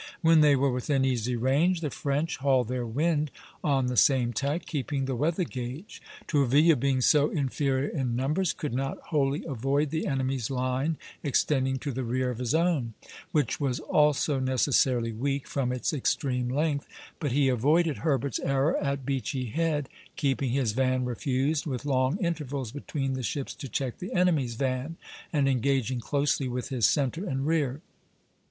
When they were within easy range, the French hauled their wind on the same tack, keeping the weather gage. Tourville, being so inferior in numbers, could not wholly avoid the enemy's line extending to the rear of his own, which was also necessarily weak from its extreme length; but he avoided Herbert's error at Beachy Head, keeping his van refused with long intervals between the ships, to check the enemy's van, and engaging closely with his centre and rear (Plate VIa.